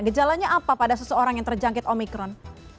gejalanya apa pada seseorang yang terjangkit omikron